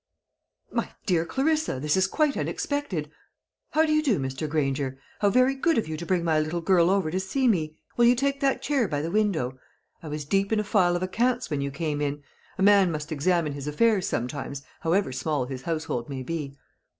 "My dear Clarissa, this is quite unexpected! How do you do, Mr. Granger? How very good of you to bring my little girl over to see me! Will you take that chair by the window? I was deep in a file of accounts when you came in. A man must examine his affairs sometimes, however small his household may be.